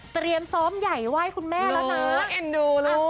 เตรียมซ้อมใหญ่ไว้คุณแม่แล้วนะลูกเอ็นดูลูก